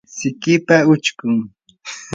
sikipa uchkun